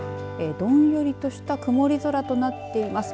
どんよりとした曇り空となっています。